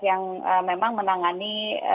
yang memang menangani